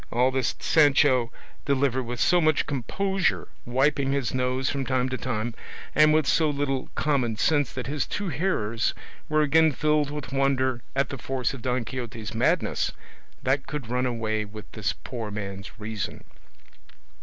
All this Sancho delivered with so much composure wiping his nose from time to time and with so little common sense that his two hearers were again filled with wonder at the force of Don Quixote's madness that could run away with this poor man's reason.